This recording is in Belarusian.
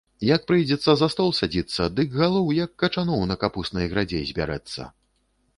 Як прыйдзецца за стол садзіцца, дык галоў, як качаноў на капуснай градзе, збярэцца.